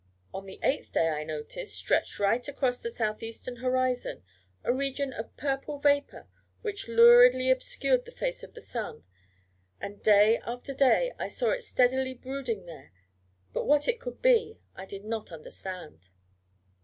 On the eighth day I noticed, stretched right across the south eastern horizon, a region of purple vapour which luridly obscured the face of the sun: and day after day I saw it steadily brooding there. But what it could be I did not understand.